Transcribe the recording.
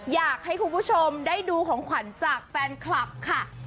อยากให้คุณผู้ชมได้ดูของขวัญจากแฟนคลับค่ะ